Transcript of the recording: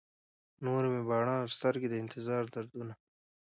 نور مې باڼه او سترګي، د انتظار دردونه